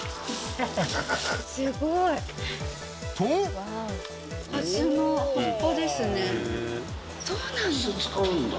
すごい。とそうなんだ。